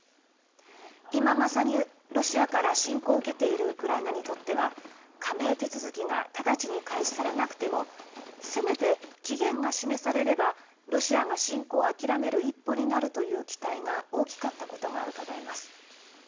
今まさにロシアから侵攻を受けているウクライナにとっては加盟手続きが直ちに開始されなくてもせめて期限が示されればロシアが侵攻を諦める一歩になるという期待が大きかったことがうかがえます。